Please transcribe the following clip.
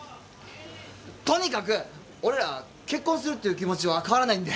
とにかく俺ら結婚するっていう気持ちは変わらないんで。